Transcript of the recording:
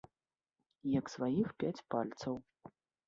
Як сваіх пяць пальцаў.